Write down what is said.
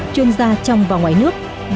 chuyên gia trong và ngoài nước